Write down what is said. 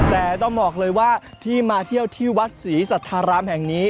แต่ต้องบอกเลยว่าที่มาเที่ยวที่วัดศรีสัทธารามแห่งนี้